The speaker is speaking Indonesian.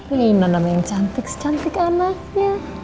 reina namanya yang cantik secantik anaknya